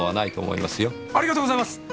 ありがとうございます！